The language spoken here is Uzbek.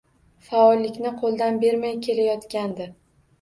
Faollikni qo‘ldan bermay kelayotgandi.